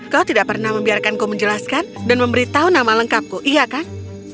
kau tidak pernah membiarkanku menjelaskan dan memberitahu nama lengkapku iya kan